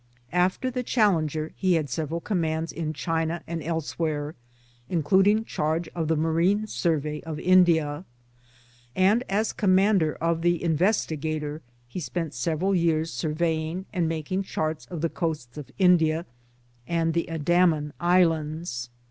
After the Challenger he had several commands in China and elsewhere, in cluding charge of the Marine Survey of India ; and as commander of the Investigator he sp<ent several years surveying and making charts of the coasts of India and the Andaman Islands.